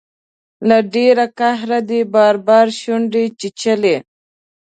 له ډیر قهره دې بار بار شونډې چیچلي